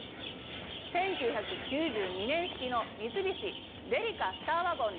１９９２年式の三菱デリカスターワゴンです。